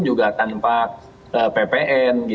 juga tanpa ppn